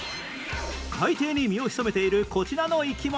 海底に身を潜めているこちらの生き物